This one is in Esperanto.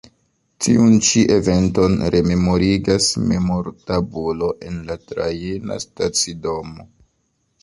Tiun ĉi eventon rememorigas memortabulo en la trajna stacidomo.